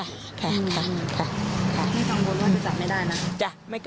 ไม่กังวลว่าจะจัดไม่ได้นะ